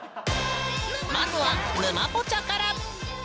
まずは「ぬまポチャ」から。